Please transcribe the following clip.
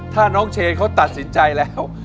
ถ้าน้องเชนเขาตัดสินใจแล้ว